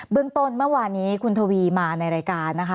เรื่องต้นเมื่อวานนี้คุณทวีมาในรายการนะคะ